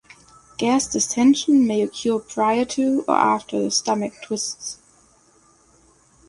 Gas distension may occur prior to or after the stomach twists.